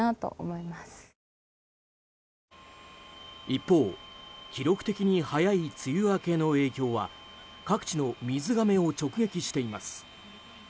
一方、記録的に早い梅雨明けの影響は各地の水がめを直撃しています。